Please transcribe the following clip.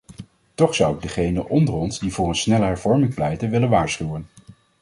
Toch zou ik degenen onder ons die voor een snelle hervorming pleiten, willen waarschuwen.